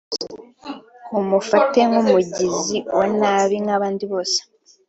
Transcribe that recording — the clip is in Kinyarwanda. mumufate nk’umugizi wa nabi nk’abandi bose